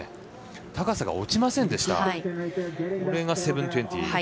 高さが落ちませんでした。